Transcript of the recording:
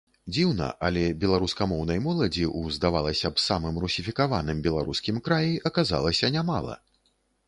Дзіўна, але беларускамоўнай моладзі ў, здавалася б, самым русіфікаваным беларускім краі аказалася нямала.